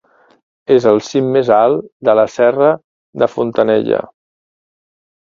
És el cim més alt de Serra de Fontanella.